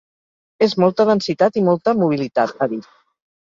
És molta densitat i molta mobilitat, ha dit.